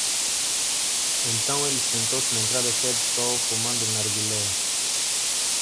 Então ele sentou-se na entrada cheia de sol, fumando o narguilé.